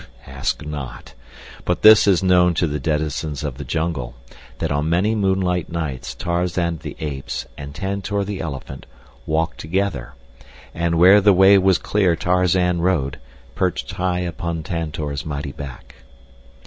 Ask not. But this is known to the denizens of the jungle, that on many moonlight nights Tarzan of the Apes and Tantor, the elephant, walked together, and where the way was clear Tarzan rode, perched high upon Tantor's mighty back.